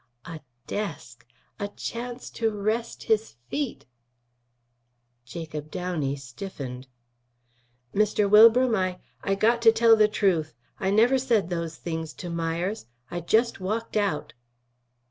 A desk! A chance to rest his feet! Jacob Downey stiffened. "Mr. Wilbram, I I got to tell the truth. I never said those things to Myers. I just walked out."